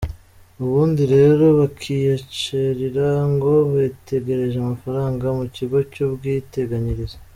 ubundi rero bakiyicarira ngo bategereje amafaranga mu Ikigo cy’Ubwiteganyirize.